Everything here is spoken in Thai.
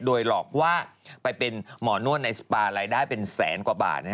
โดยหลอกว่าไปเป็นหมอนวดในสปารายได้เป็นแสนกว่าบาท